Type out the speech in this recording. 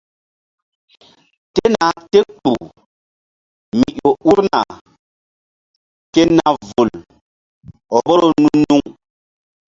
Tena te kpuh mi ƴo urna ke na vul vboro nu-nuŋ.